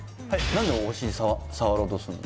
何でお尻触ろうとするの？